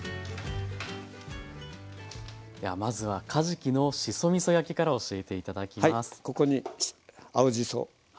ではまずはかじきのしそみそ焼きから教えて頂きます。